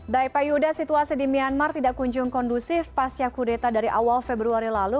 baik pak yuda situasi di myanmar tidak kunjung kondusif pasca kudeta dari awal februari lalu